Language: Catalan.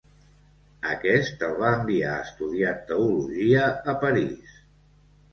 Aquest el va enviar a estudiar teologia a París.